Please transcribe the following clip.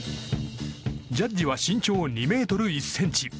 ジャッジは身長２ｍ１ｃｍ。